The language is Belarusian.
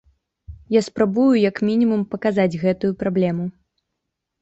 Я спрабую як мінімум паказаць гэтую праблему.